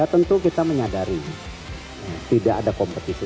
tentu kita menyadari tidak ada kompetisi